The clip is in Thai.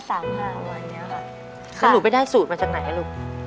แล้วหนูไปได้สูตรมาจากไหนลูก